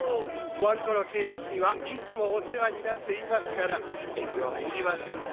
ワンコロけいさつにはいつもおせわになっていますからえんりょはいりませんよ。